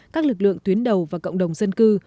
các lực lượng tuyến đầu và cộng đồng dân cư